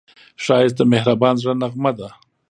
ښایست د مهربان زړه نغمه ده